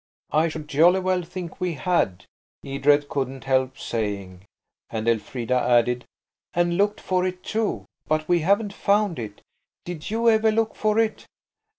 "I should jolly well think we had," Edred couldn't help saying. And Elfrida added– "And looked for it, too–but we haven't found it. Did you ever look for it?"